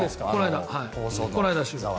この間。